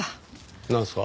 なんすか？